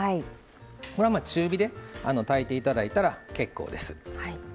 これは中火で炊いていただいたら結構です。